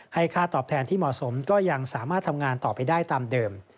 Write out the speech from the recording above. ค่าตอบแทนที่เหมาะสมก็ยังสามารถทำงานต่อไปได้ตามเดิม